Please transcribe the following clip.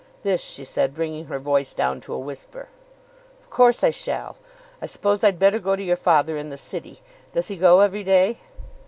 This she said bringing her voice down to a whisper. "Of course I shall. I suppose I'd better go to your father in the city. Does he go every day?"